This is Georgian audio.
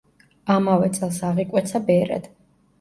ამავე წელს აღიკვეცა ბერად.